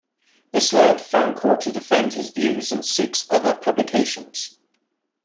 This led Fancourt to defend his views in six other publications.